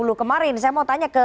u dua puluh kemarin saya mau tanya ke